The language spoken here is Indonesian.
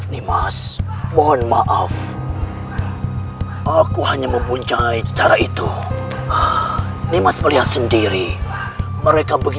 nimas sebaiknya kita jangan berpikiran buruk